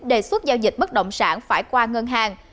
đề xuất giao dịch bất động sản phải qua ngân hàng